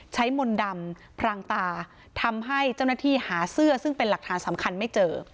มนต์ดำพรางตาทำให้เจ้าหน้าที่หาเสื้อซึ่งเป็นหลักฐานสำคัญไม่เจอ